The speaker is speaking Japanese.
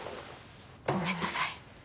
ごめんなさい。